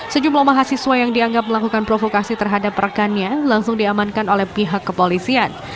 sejumlah mahasiswa yang dianggap melakukan provokasi terhadap rekannya langsung diamankan oleh pihak kepolisian